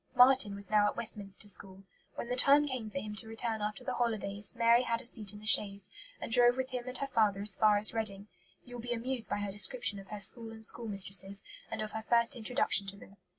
Marten was now at Westminster School. When the time came for him to return after the holidays, Mary had a seat in the chaise, and drove with him and her father as far as Reading. You will be amused by her description of her school and schoolmistresses, and of her first introduction to them.